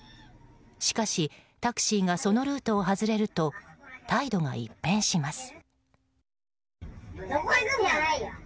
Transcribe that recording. しかしタクシーがそのルートを外れると態度が一変します。